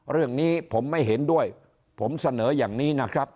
เรื่องนี้ผมไม่เห็นด้วยผมเสนออย่างนี้นะครับ